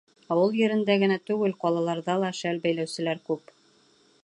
Ауыл ерендә генә түгел, ҡалаларҙа ла шәл бәйләүселәр күп.